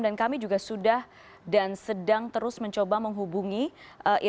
dan kami juga sudah dan sedang terus mencoba menghubungi irjen paul safarudin